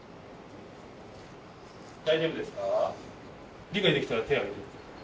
大丈夫ですか？